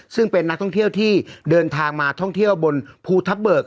ซึ่งเป็นนักท่องเที่ยวที่เดินทางมาท่องเที่ยวบนภูทับเบิก